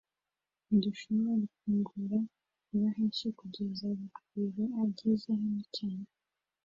Ntidushobora gufungura ibahasha kugeza Rugwiro ageze hano cyane